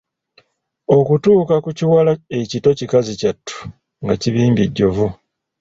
Okutuuka ku kiwala ekito kikazi kyattu nga kibimbye ejjovu.